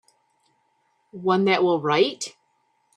One that will write.